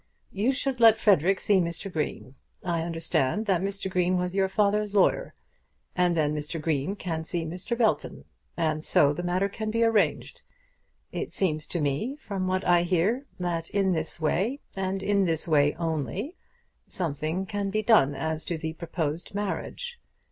You should let Frederic see Mr. Green. I understand that Mr. Green was your father's lawyer. And then Mr. Green can see Mr. Belton. And so the matter can be arranged. It seems to me, from what I hear, that in this way, and in this way only, something can be done as to the proposed marriage.